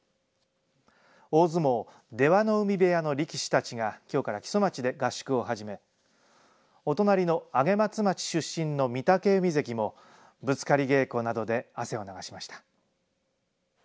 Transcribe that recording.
大相撲、出羽海部屋の力士たちがきょうから木曽町で合宿を始めお隣の上松町出身の御嶽海関もぶつかり稽古などで汗を流しました。